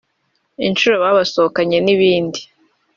inshuro babasohokanye n’ibindi